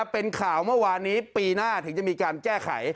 เป็นข่าวเมื่อวานนี้ปีหน้าถึงจะมีการแก้ไข